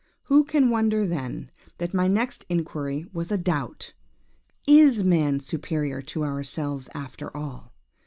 Who can wonder, then, that my next inquiry was a doubt. Is man superior to ourselves after all?